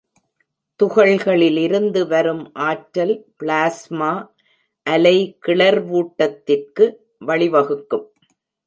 துகள்களிலிருந்து வரும் ஆற்றல் பிளாஸ்மா அலை கிளர்வூட்டத்திற்கு வழிவகுக்கும்.